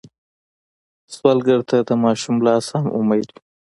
سوالګر ته د ماشوم لاس هم امید وي